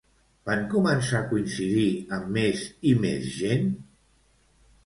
Van començar a coincidir amb més i més gent?